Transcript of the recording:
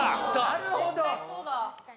なるほど。